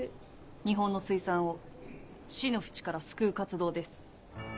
日本の水産を死の淵から救う活動です。